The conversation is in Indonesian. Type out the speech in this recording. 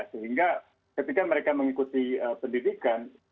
sehingga ketika mereka mengikuti pendidikan